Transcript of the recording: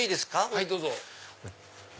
はいどうぞ。